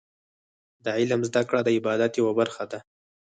د علم زده کړه د عبادت یوه برخه ده.